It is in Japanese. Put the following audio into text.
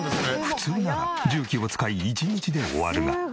普通なら重機を使い１日で終わるが。